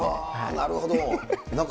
なるほど。